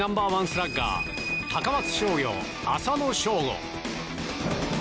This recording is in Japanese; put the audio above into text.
スラッガー高松商業、浅野翔吾。